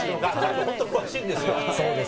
本当に詳しいんですよ。